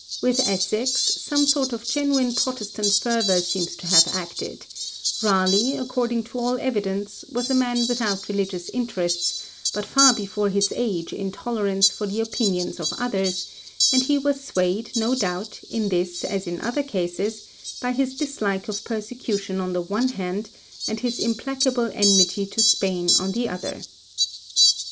With Essex, some sort of genuine Protestant fervour seems to have acted; Raleigh, according to all evidence, was a man without religious interests, but far before his age in tolerance for the opinions of others, and he was swayed, no doubt, in this as in other cases, by his dislike of persecution on the one hand, and his implacable enmity to Spain on the other.